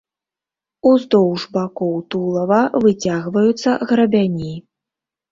Уздоўж бакоў тулава выцягваюцца грабяні.